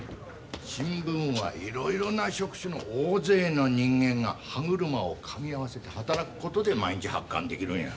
新聞はいろいろな職種の大勢の人間が歯車をかみ合わせて働くことで毎日発刊できるんや。